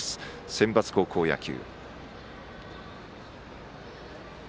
センバツ高校野球。